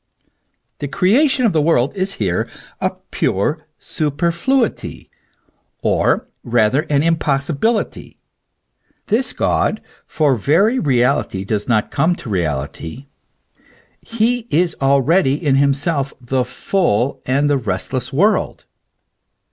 The creation of the world is here a pure superfluity, or rather an impossibility ; this God for very reality does not come to reality ; he is already in himself the full and restless world.